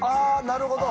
なるほど。